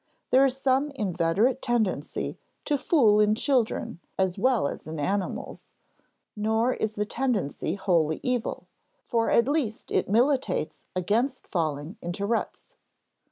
There is some inveterate tendency to fool in children as well as in animals; nor is the tendency wholly evil, for at least it militates against falling into ruts.